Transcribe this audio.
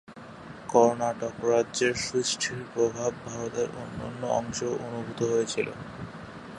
কর্ণাটক রাজ্যের সৃষ্টির প্রভাব ভারতের অন্যান্য অংশেও অনুভূত হয়েছিল।